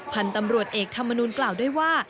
พันธุ์ตำรวจเอกธรรมนูลกล่าวด้วยว่า